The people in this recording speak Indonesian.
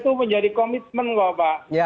itu menjadi komitmen pak